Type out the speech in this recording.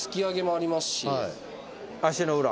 足の裏？